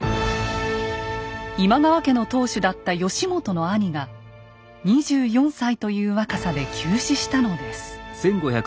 今川家の当主だった義元の兄が２４歳という若さで急死したのです。